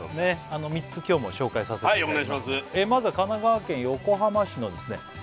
３つ今日も紹介させていただきます